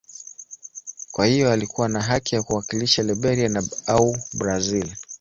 Kwa hiyo alikuwa na haki ya kuwakilisha Liberia au Brazil.